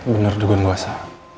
bener dukung gue sa